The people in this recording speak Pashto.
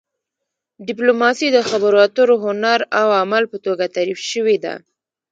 ډیپلوماسي د خبرو اترو هنر او عمل په توګه تعریف شوې ده